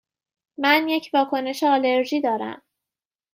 من یک واکنش آلرژی دارم.